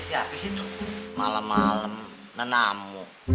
kan si api sih tuh malam malam menamu